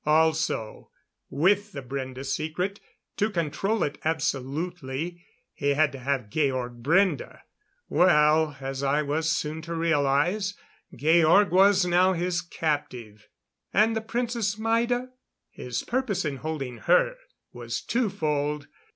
Also, with the Brende secret to control it absolutely he had to have Georg Brende. Well, as I was soon to realize, Georg was now his captive. And the Princess Maida? His purpose in holding her was two fold.